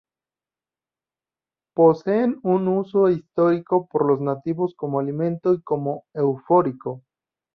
Poseen un uso histórico por los nativos como alimento y como eufórico.